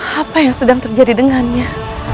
apa yang sedang terjadi dengannya